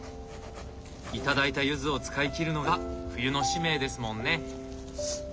頂いたゆずを使い切るのが冬の使命ですもんね。